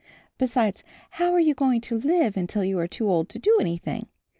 Besides how are you going to live until you are too old to do anything?